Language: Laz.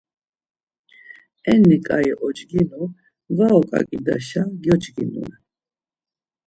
Enni ǩai ocginu, var oǩaǩidaşa gyocginu ren.